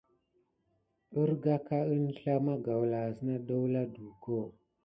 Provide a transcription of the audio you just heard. Ərga aka əŋslah magaoula las na don wula duko.